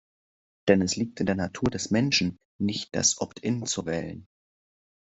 Denn es liegt in der Natur des Menschen, nicht das Opt-in zu wählen.